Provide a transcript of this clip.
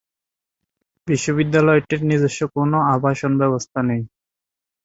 বিশ্ববিদ্যালয়টির নিজস্ব কোন আবাসন ব্যবস্থা নেই।